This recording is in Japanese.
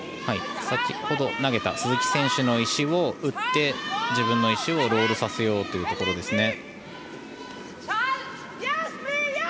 先ほど投げた鈴木選手の石を打って自分の石をロールさせようというところです。